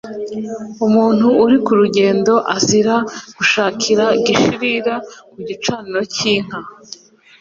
Umuntu uri ku rugendo, azira gushakira igishirira ku gicaniro cy’inka,